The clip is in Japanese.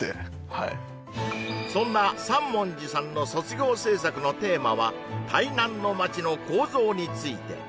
はいそんな三文字さんの卒業制作のテーマは「台南の街の構造について」